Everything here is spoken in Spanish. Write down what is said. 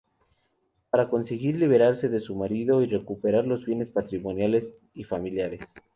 Para conseguir liberarse de su marido y recuperar los bienes patrimoniales y familiares.